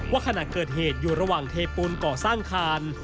ขณะเกิดเหตุอยู่ระหว่างเทปูนก่อสร้างคาน